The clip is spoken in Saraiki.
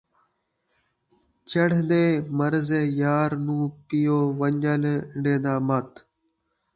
چڑھدے مرزے یار نوں پیو ون٘جل ݙین٘دا مت